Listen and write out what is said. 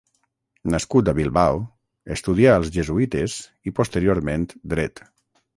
Nascut a Bilbao, estudià als jesuïtes i posteriorment Dret.